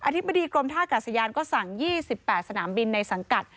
ธิบดีกรมท่ากาศยานก็สั่ง๒๘สนามบินในสังกัด